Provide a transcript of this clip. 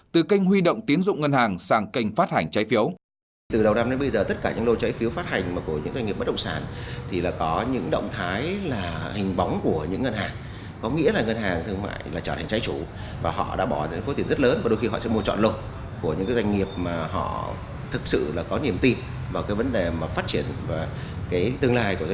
từ kênh huy động tiến dụng ngân hàng sang kênh phát hành trái phiếu